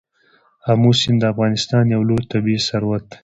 آمو سیند د افغانستان یو لوی طبعي ثروت دی.